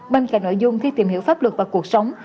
bên cạnh nội dung thi tìm hiểu pháp luật và cuộc sống